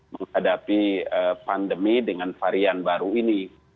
menghadapi pandemi dengan varian baru ini